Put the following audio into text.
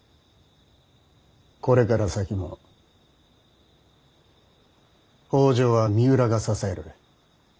これから先も北条は三浦が支える。